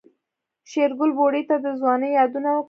شېرګل بوډۍ ته د ځوانۍ يادونه وکړه.